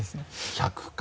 １００か。